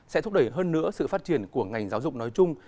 sẽ thúc đẩy hơn nữa sự phát triển của ngành giáo dục nói chung